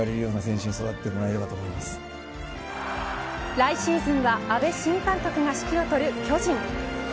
来シーズンは阿部新監督が指揮を執る巨人。